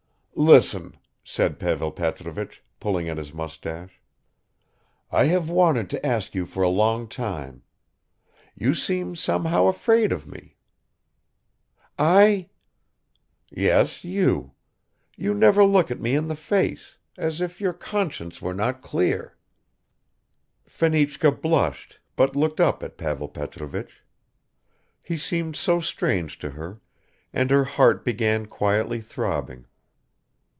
"Listen," said Pavel Petrovich, pulling at his mustache, "I have wanted to ask you for a long time; you seem somehow afraid of me." "I ...?" "Yes, you. You never look me in the face, as if your conscience were not clear." Fenichka blushed but looked up at Pavel Petrovich. He seemed so strange to her and her heart began quietly throbbing.